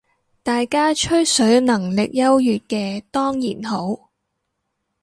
大家吹水能力優越嘅當然好